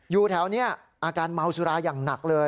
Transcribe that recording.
อยู่แถวนี้อาการเมาสุราอย่างหนักเลย